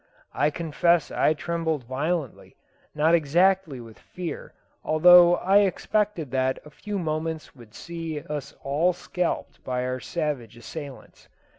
I confess I trembled violently, not exactly with fear, although I expected that a few moments would see us all scalped by our savage assailants.